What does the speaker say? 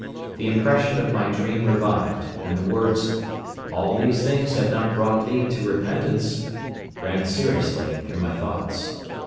The impression of my dream revived; and the words, "All these things have not brought thee to repentance," ran seriously through my thoughts.